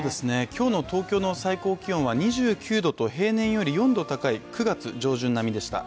今日の東京の最高気温は２９度と平年より４度高い９月上旬並みでした。